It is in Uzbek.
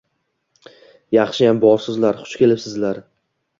Yaxshiyam borsizlar, xush kelibsizlar.